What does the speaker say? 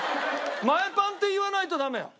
前パンって言わないとダメよ。